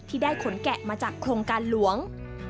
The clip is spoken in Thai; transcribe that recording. ที่ได้ขนแกะมาจากโครงการหลวง